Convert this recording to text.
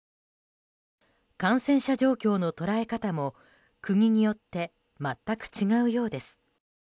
感染者状況の捉え方も国によって全く違うようです。